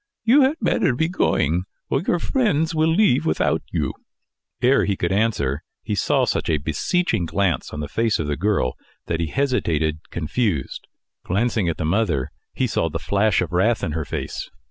"You had better be going, or your friends will leave without you." Ere he could answer, he saw such a beseeching glance on the face of the girl, that he hesitated, confused. Glancing at the mother, he saw the flash of wrath in her face.